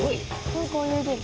何か泳いでる。